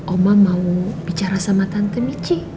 oma mau bicara sama tante nici